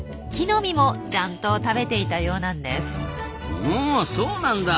おそうなんだ。